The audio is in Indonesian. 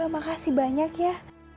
makasih banyak ya